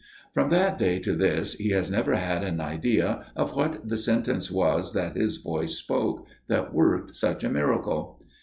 "From that day to this he has never had an idea of what the sentence was that his voice spoke that worked such a miracle."